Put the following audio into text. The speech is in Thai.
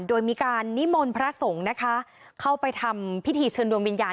โดยมีการนิมนต์พระสงฆ์นะคะเข้าไปทำพิธีเชิญดวงวิญญาณ